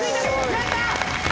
やった！